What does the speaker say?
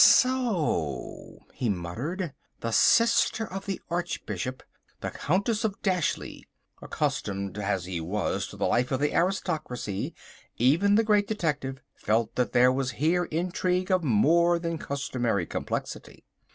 "So," he muttered, "the sister of the Archbishop, the Countess of Dashleigh!" Accustomed as he was to the life of the aristocracy, even the Great Detective felt that there was here intrigue of more than customary complexity.